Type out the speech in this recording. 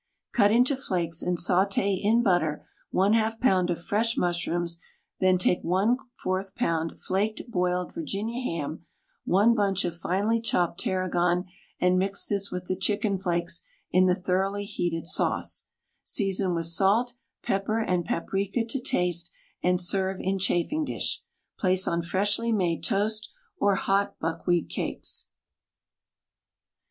Cut into flakes and saute in butter }^ pound of fresh mushrooms, then take J4 pound flaked boiled Virginia ham, one bunch of finely chopped Tarragon and mix this with the chicken flakes in the thoroughly heated sauce; season with salt, pepper and paprika to taste and serve in chafing dish ; place on freshly made toast or hot buck wheat cakes.